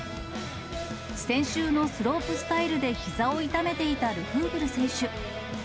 先週のスロープスタイルでひざを痛めていたルフーブル選手。